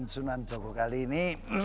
sunan jogokali ini